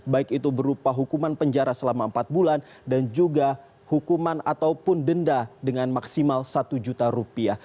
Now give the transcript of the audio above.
baik itu berupa hukuman penjara selama empat bulan dan juga hukuman ataupun denda dengan maksimal satu juta rupiah